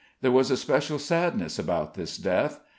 There was a special sadness about this death.